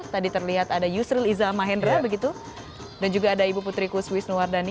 tadi terlihat ada yusril iza mahendra dan juga ada ibu putriku swiss nuwardani